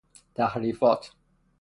تحریفات